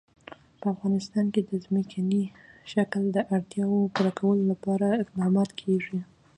په افغانستان کې د ځمکنی شکل د اړتیاوو پوره کولو لپاره اقدامات کېږي.